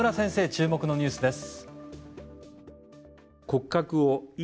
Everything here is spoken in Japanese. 注目のニュースです。